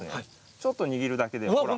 ちょっと握るだけで、ほら。